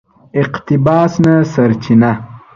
اقتباس نه سرچینه